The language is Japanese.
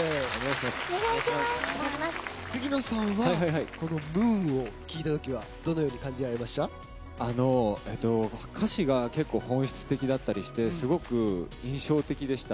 杉野さんはこの「Ｍｏｏｎ」を聴いたときは歌詞が本質的だったりしてすごく印象的でした。